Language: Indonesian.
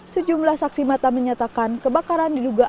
sejumlah saksi mata menyatakan kebakaran diduga